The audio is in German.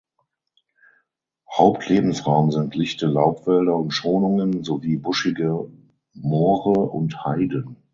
Hauptlebensraum sind lichte Laubwälder und Schonungen sowie buschige Moore und Heiden.